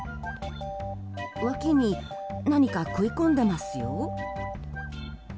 わきに何か食い込んでますよ。